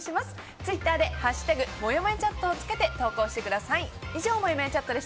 ツイッターで「＃もやもやチャット」をつけて投稿してください。